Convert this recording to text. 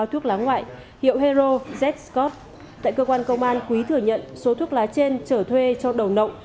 thuốc lá ngoại hiệu hero z scott tại cơ quan công an quý thừa nhận số thuốc lá trên trở thuê cho đầu nậu